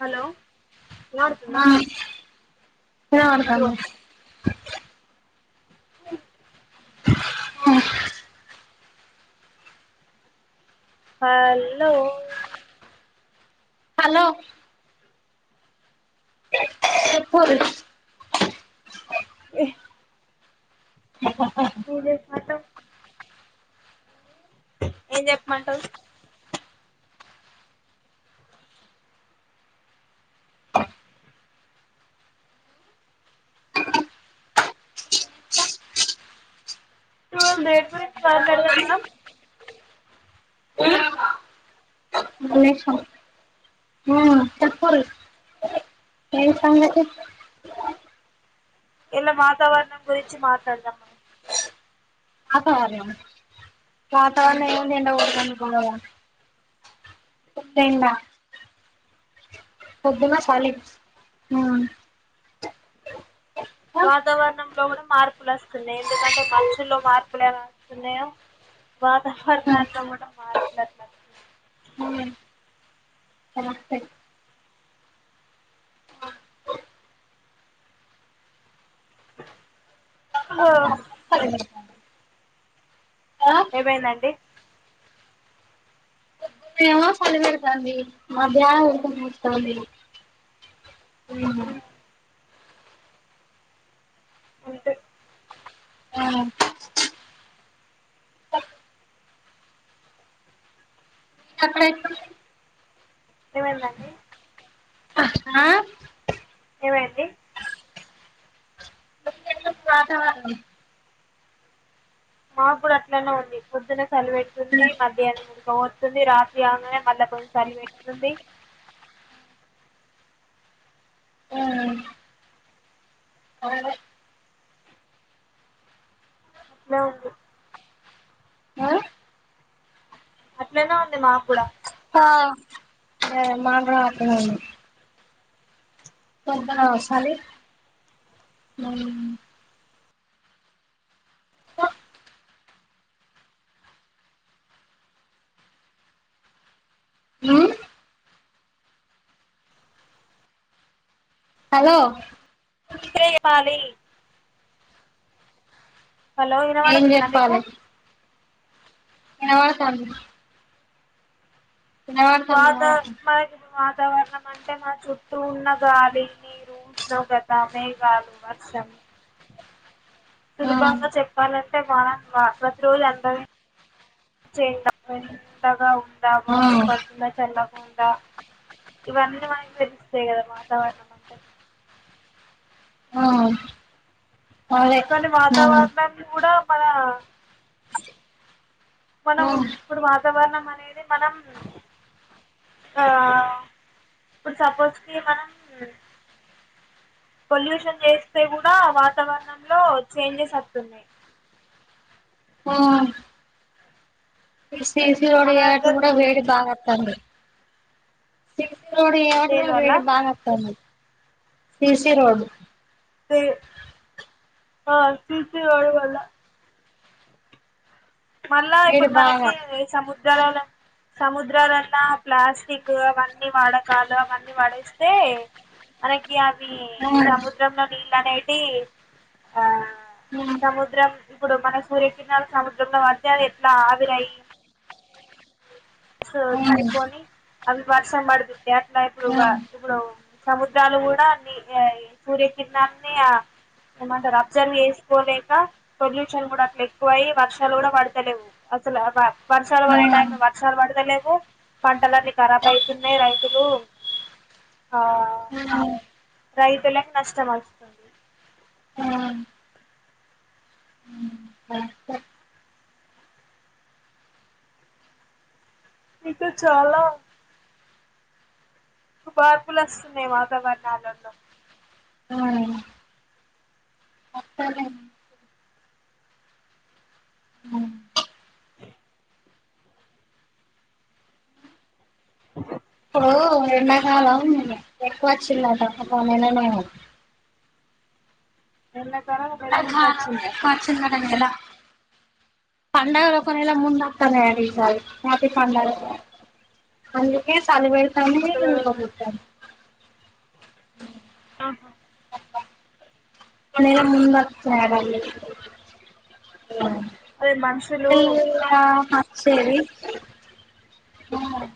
Hello ఆ వినపడతాంది hello hello చెప్పున్డ్రి ఏ నీదే పాఠం ఏం చెప్పమంటరు [unintelligible] నుంచి మాట్లాడదాం మనం [unintelligible] ఏ సంగతి ఇయల వాతావరణం గురించి మాట్లాడదమ్ మనం వాతావరణం మనం వాతావరణం ఏముంది ఎండ గొడుతాంది పొద్దుగాల పొద్దుడెండ పొద్దున్న చలి ఆ వాతావరణం లో కూడ మార్పులు వస్తున్నాయి ఎందుకంటే మనుషుల్లో మార్పులు ఎలా వస్తున్నాయో ఉమ్ వాతావరణాల్లో కూడ మార్పులు అట్లా వస్తు కరెక్టే హా చలి పెడతాంది ఆ ఏమైందండి ఏమో చలి పెడతాంది మా ఫ్యాన్ కొంచెం నడుస్తాంది హ్మ్ హు అంటే ఆ అక్కడ ఎట్లుంది ఏమైన్ దండి ఆ ఏమైంది వాతావరణం మా కూడా అట్లనే ఉంది పొద్దునే చలి పెడుతుంది మధ్యానం ఉడకపోస్తుంది రాత్రి కాంగానే మళ్ళ కొద్దిగ చలి పెడుతుంది సరే అట్లే ఉంది ఆ అట్లానే ఉంది మా కూడా ఆ మాకుడా అట్లానే ఉంది పొద్దున సలీ హలో ఇప్పుడే చెప్పాలి హలో విన ఏం పడుతుంద మీకు చెప్పాలి వినపడతాంది వినపడతాంది వాటర్ వినపడతాంది పైప్ వాతావరణం అంటే మా చుట్టూ ఉన్న గాలి నీరు ఉష్ణోగత మేగాలు వర్షం ఆ సులభంగా చెప్పాలం [unintelligible] ప్రతిరోజు అందరంతగా [unintelligible] ఉ దవా ఆ [unintelligible] ఇవన్ని మనకు తెలుస్తాది కదా వతావరణం ఉంట ఆ అదే కానీ ఆ వాతావరణాన్ని కూడా మన ఆ మనం ఇప్పుడు వా వాతావరణం అనేది మనం ఆ ఇప్పుడు సపోజ్ కి మనం పొల్యూషన్ చేస్తే కూడా వాతావరణంలో చేంజెస్ వస్తున్నాయి ఆ సిసి రోడ్ మన ఏట్టు కూడా దగ్గరనే ఉంది వేడి బాగా వాతాంది సి రోడ్ చేయబట్టి కూడ దేనివల్ల వేడి బాగా అతంది C C road C C road వల్ల మళ్ళా వేడి ఇప్పుడు బాగా మనకి ఈ సముద్రరాల సముద్రాలన్నా ప్లాస్టిక్ అవన్నీ వాడకాలు అవన్నీ పడేస్తే మనకి ఇగ అవ్వి ఆ సముద్రంలో నీ నీళ్ళు అనేటి ఆ ఆ సముద్రం ఇప్పుడు మన సూర్యకిరణాలు సము ఎ వచ్చద [unintelligible] ఎట్లా ఆవిరయి సో ఆ తీసుకోని అవి వర్షం పడతాది ఏట్లా అయితే ఆ [unintelligible] ఇప్పుడు సముద్రాలు కూడా అన్ని ఆ ఇ సూర్యకిరణాన్ని ఆ ఏమంటారు అబ్జర్వ్ చేసుకోలేక పొల్యూషన్ కూడా అట్లా ఎక్కువ అయి వర్షాలు కూడా పడతలేవు అసలు [inaudible] [unintelligible] వర్షాలు పడే టైం పడతలేవు పంటలున్నీ ఖరాబ్ అయితున్నాయి రైతులు ఉ రైతులకు నష్టం అవుతుంది ఆ అ ఇకా చాలా మార్పులు వస్తున్నాయి వాతావరణాలలో సరేలే ఇప్పుడు ఎండాకాలం ఎక్కువ వచ్చిందట అక్కడ పోనేనె లేమో ఎలా ఆ వచ్చిందట కదా పండగ లోకనెల ముందుత్తన్నాయట ఈసారి రాఖి పండగ అందుకే సలి పెడు అందుకే ఇగ ఉడకపోతాంది ఆ ఒ నెల ముందాతయట అన్ని అదే మనుషులు ఎలదామా చేవి ఆ [inaudible]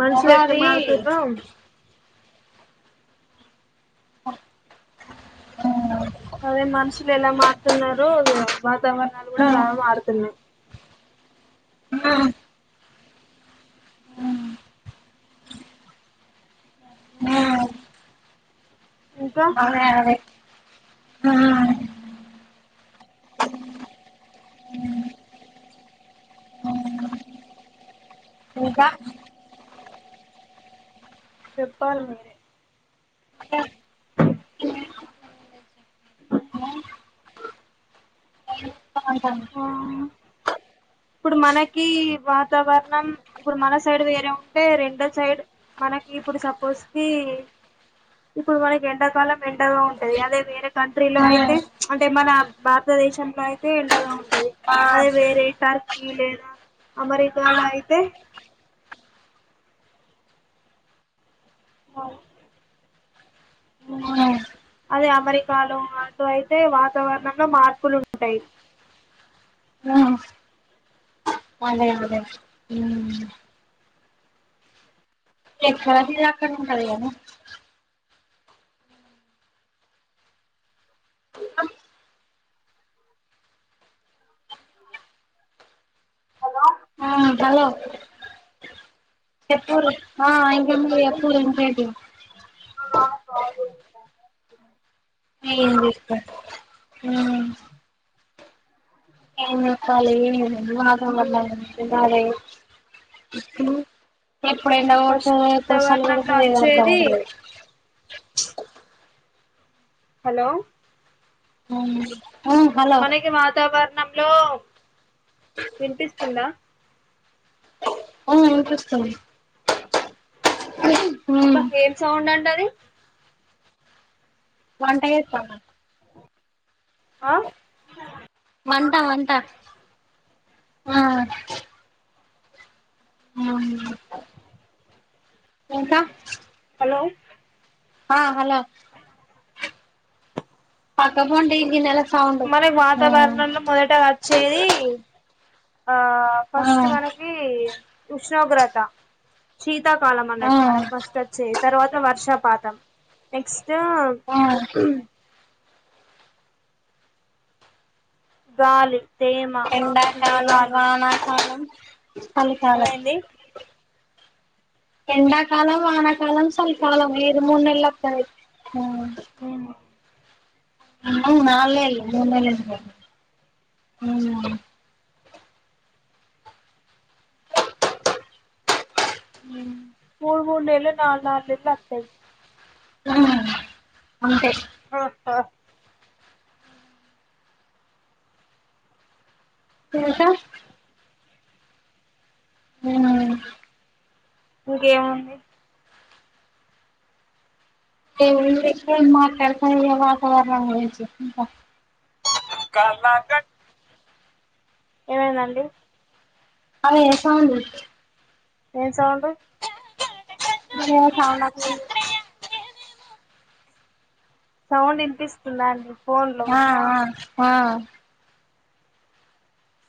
మనుషులు ఎట్ల ఉగాది మారుతూర్రో ఆ అదే సవరనాలు కూడా అలాగే మారుతాయి ఆ ఇంకా బా ఆ ఇంకా చెప్పాలండి అదే - [inaudible] అంటంది ఆ ఇప్పుడు మనకి వాతావరణం ఇప్పుడు మన సైడ్ వేరే ఉంటే రెండో సైడ్ మనకి ఇప్పుడు సపోజ్ కి ఇప్పుడు మనకి ఎండాకాలం ఎండగా ఉంటది అదే వేరే కంట్రీలో అయితే అంటే మన భారతదేశంలో అయితే ఎండగా ఉంట ది అదే వేరే ట్రి లేదా అమెరికా లో అయితే - [inaudible] అదే అమెరికాలో అటూ అయితే వాతావరణంలో మార్పులు ఉంటయి ఆ అదే అదే హ్మ్ ఎక్కడ తీరు అక్కడ ఉంటది కదా హలో అ హలో చెప్పుర్రి ఆ ఇంకా మీ చెప్పండి అక్కురుయింకేటు కాకొంచమైన ఏందీప్ప ఆ అ ఇంగ ఖాళీగే ఎండ వాతావరణం తినాలె ఇప్పుడు ఎప్పుడు ఎండ మనం ఫస్ట్ కొడుతదో ఎప్పుడు వాతావరణంలో సల్లగుంటదో ఏమి అర్థం వచ్చేది అయితలేదు హలో హలో మనకి వాతావరణం లో వినిపిస్తుందా ఆ వినిపిస్తుంది బ ఏం సౌండ్ అండి అది వంట ఎత్తన్నా ఆ వంట వంట ఆ హ్మ్ ఎంత లో ఆ హలో పక్క బండి ఇ గినెలా మనకి వాతావరణంలో మొదటగచ్చేది ఆ ఫస్ట్ మనకి ఉష్ణోగ్రత శీతాకాలం ఆ అన్నట్టు మనకు ఫస్ట్ వచ్చేద్ తరువాత వర్షాపాతం నెక్స్ తేమ్ ఆ గాలి తేమ ఎండాకాలం మేఘాలు వానాకాలం చలికాలం ఏమైంది ఎండాకాలం వానాకాలం చలికాలం ఏది మూన్నెళ్ళు వత్తది ఆ ఉమ్. ఆవ్ నాళ్ న్నెళ్ళు, మూన్నెళ్ళు గాద్ అవునా మ్మ్ మూడు ముడు న్నెల్లు నాలు నాలుగు న్నెల్లు అత్తయ్ [unintelligible] అంతే ఆ ఆ ఇంకా అవున ఇంకేముంది ఎ మాతారు స వతావరణ వ కలాత [unintelligible] ఏమైందండి అవే వేస్తా ఉన్న ఎం సౌండ్ [unintelligible] ఇ సౌండ్ వచ్చింది. సౌండ్ ఇనిపిస్తుందా అండి. ఫోన్ లో ఆ ఆ ఆ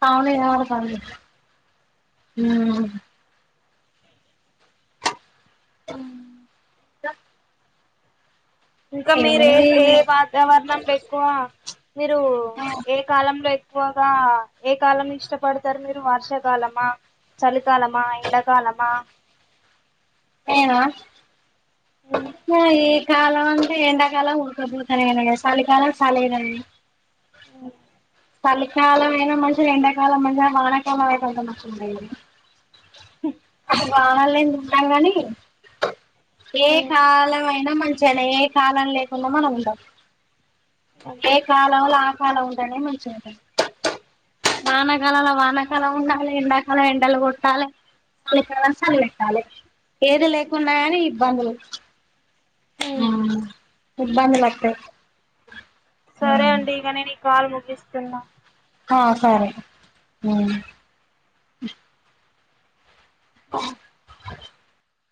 సౌండ్ వినపడ్తంది ఊ [unintelligible] ఇంకా మీరు ఏ ఏముంది ఏ వాతావరణం ఎక్కువ మీరు ఏ కాలంలో ఎ ఎక్కువగా ఏ కాలం ఇష్టపడతారు మీరు. వర్షాకాలమా, చలికాలమా, ఎండాకాలమా ఏనా ఉ కాలం అంటే ఎండాకాలం ఉఊడకపోతాను ఎన చలికాలం చాలద ఆ చలికాలం అయినా మంచిగా, ఎండాకాలం మంచిగా వానకాలం అయికుంత మంచిగా ఉంటయింది. [unintelligible] బాగాని ఉంటాం కానీ, ఏ ఉ కాలమ ఐనా మంచిగానా ఏ కాలం లేకుం మనం ఉంటాం. ఏ అంతే కాలవల చాలా ఉండనే వానకాలంలో వానకాలం ఉండాలి. ఎండాకాలం ఎండలు కొట్టాలి. చలికాలం చలి పెట్టాలి. ఏది లేకుండా అని ఇబ్బందులు ఆ ఉమ్. ఇబ్బంది పెట్టాలె సరే అండి ఇక నను కాల్ ముగిస్తున్నా. ఆ సరే ఊ [unintelligible]